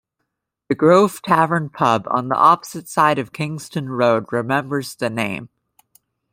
The Grove Tavern pub on the opposite side of Kingston Road remembers the name.